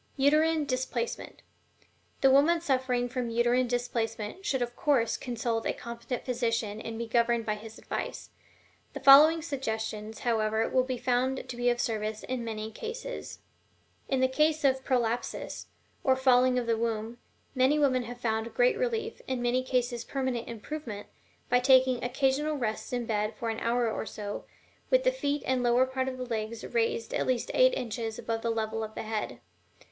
UTERINE DISPLACEMENT. The woman suffering from Uterine Displacement should, of course, consult a competent physician and be governed by his advice. The following suggestions, however, will be found to be of service in many cases: In the case of PROLAPSUS, or falling of the womb, many women have found great relief, and in many cases permanent improvement, by taking occasional rests in bed for an hour or so, with the feet and lower part of the legs raised at least eight inches above the level of the head.